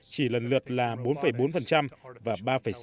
chỉ lần lượt là bốn bốn và ba sáu